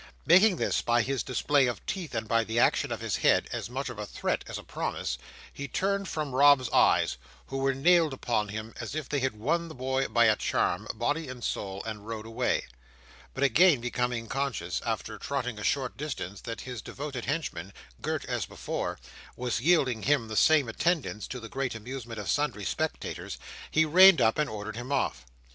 Making this, by his display of teeth and by the action of his head, as much a threat as a promise, he turned from Rob's eyes, which were nailed upon him as if he had won the boy by a charm, body and soul, and rode away. But again becoming conscious, after trotting a short distance, that his devoted henchman, girt as before, was yielding him the same attendance, to the great amusement of sundry spectators, he reined up, and ordered him off.